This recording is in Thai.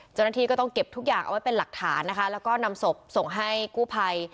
เจ้าหน้าที่ก็ต้องเก็บทุกอย่างเอาไว้เป็นหลักฐานนะคะแล้วก็นำศพส่งให้กู้ภัย